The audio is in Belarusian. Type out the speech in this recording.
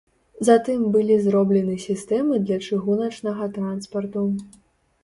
Затым былі зроблены сістэмы для чыгуначнага транспарту.